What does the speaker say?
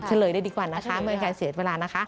เฉลยได้ดีกว่านะคะไม่มีใครเสียเวลานะคะ